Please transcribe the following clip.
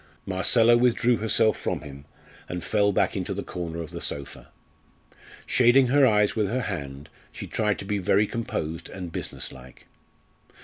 Marcella withdrew herself from him and fell back into the corner of the sofa. Shading her eyes with her hand she tried to be very composed and business like.